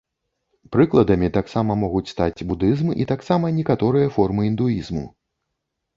Прыкладамі таксама могуць стаць будызм і таксама некаторыя формы індуізму.